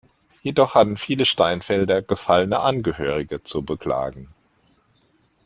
Jedoch hatten viele Steinfelder gefallene Angehörige zu beklagen.